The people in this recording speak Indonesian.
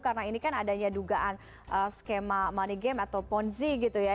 karena ini kan adanya dugaan skema money game atau ponzi gitu ya